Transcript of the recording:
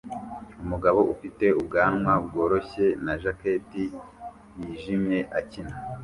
Umugabo ufite ubwanwa bworoshye na jacketi yijimye akina